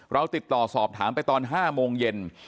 เราติดต่อสอบถามไปตอน๕โมงเย็น